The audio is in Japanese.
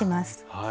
はい。